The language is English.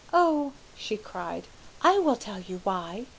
Oh," she cried, "I will tell you why!